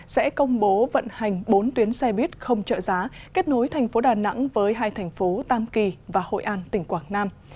sẽ công bố vận hành bốn tuyến xe buýt không trợ giá kết nối thành phố đà nẵng với hai thành phố tam kỳ và hội an tỉnh quảng nam